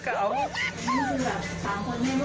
เพราะตัวเล็กสุดเก่า